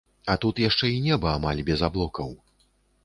А тут яшчэ і неба амаль без аблокаў.